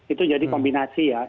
itu jadi kombinasi ya